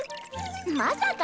まさか。